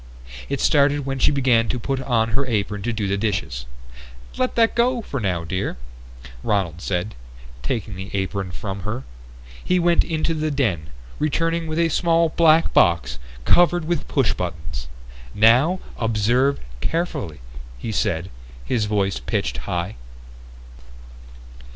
It started when she began to put on her apron to do the dishes. "Let that go for now, dear," Ronald said, taking the apron from her. He went into the den, returning with a small black box covered with push buttons. "Now observe carefully," he said, his voice pitched high.